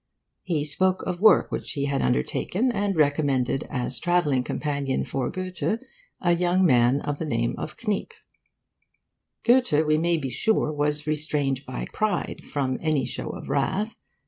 He spoke of work which he had undertaken, and recommended as travelling companion for Goethe a young man of the name of Kniep. Goethe, we may be sure, was restrained by pride from any show of wrath.